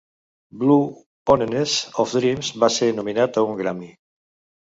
"Blue Oneness of Dreams" va ser nominat a un Grammy.